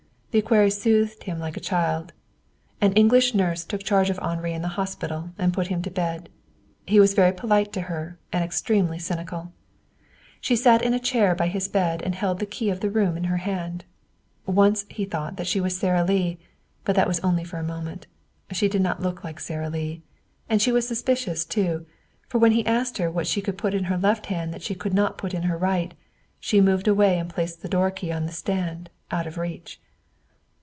The equerry soothed him like a child. An English nurse took charge of Henri in the hospital, and put him to bed. He was very polite to her, and extremely cynical. She sat in a chair by his bed and held the key of the room in her hand. Once he thought she was Sara Lee, but that was only for a moment. She did not look like Sara Lee. And she was suspicious, too; for when he asked her what she could put in her left hand that she could not put in her right, she moved away and placed the door key on the stand, out of reach.